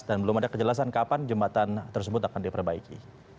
dan belum ada kejelasan kapan jembatan tersebut akan diperbaiki